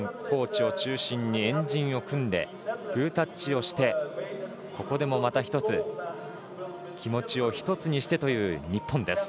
コーチを中心に円陣を組んでグータッチをしてここでもまた１つ気持ちを１つにしてという日本。